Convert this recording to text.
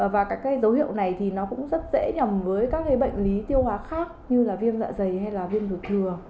và các dấu hiệu này cũng rất dễ nhầm với các bệnh lý tiêu hóa khác như viêm dạ dày hay viêm lạc